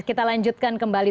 kita lanjutkan kembali